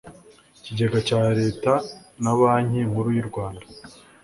Ikigega cya Leta na Banki Nkuru y u Rwanda